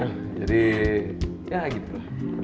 jadi ya gitu